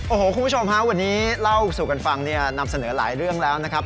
โอ้โหคุณผู้ชมฮะวันนี้เล่าสู่กันฟังเนี่ยนำเสนอหลายเรื่องแล้วนะครับ